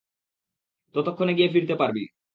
ততক্ষণে গিয়ে ফিরতে পারবি।